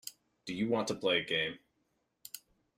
Do you want to play a game.